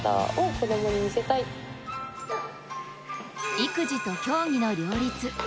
育児と競技の両立。